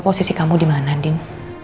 posisi kamu di mana din